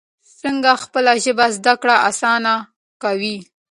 څنګه خپله ژبه زده کړه اسانه کوي؟